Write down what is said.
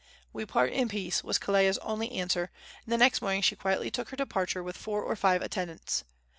"We part in peace," was Kelea's only answer, and the next morning she quietly took her departure with four or five attendants.